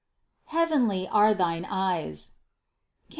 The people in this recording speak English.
Heavenly are thine eyes (Cant.